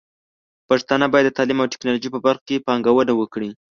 پښتانه بايد د تعليم او ټکنالوژۍ په برخه کې پانګونه وکړي.